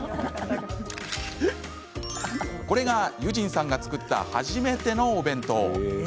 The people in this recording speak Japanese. これが結尋さんが作った初めてのお弁当。